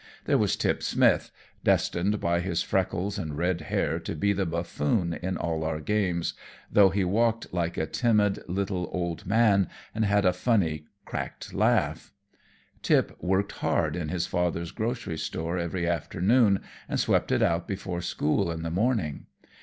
There was Tip Smith, destined by his freckles and red hair to be the buffoon in all our games, though he walked like a timid little old man and had a funny, cracked laugh. Tip worked hard in his father's grocery store every afternoon, and swept it out before school in the morning.